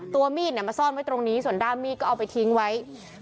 มีดมาซ่อนไว้ตรงนี้ส่วนด้ามมีดก็เอาไปทิ้งไว้